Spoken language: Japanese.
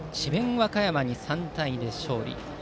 和歌山に３対２で勝利。